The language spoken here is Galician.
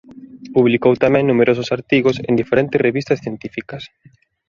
Publicou tamén numerosos artigos en diferentes revistas científicas.